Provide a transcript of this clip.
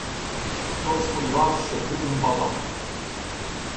Хто б сподівавсь, що Турн бабак?